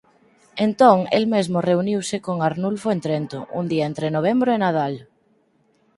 Entón el mesmo reuniuse con Arnulfo en Trento un día entre novembro e Nadal.